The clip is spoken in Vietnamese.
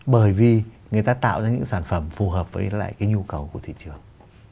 bởi vì người ta tạo ra những sản phẩm phù hợp với lại cái nhu cầu của thị trường